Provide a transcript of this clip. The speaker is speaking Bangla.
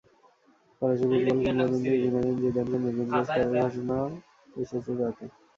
ফরাসি ফুটবল কিংবদন্তি জিনেদিন জিদানকে নতুন কোচ করার ঘোষণাও এসেছে তাতে।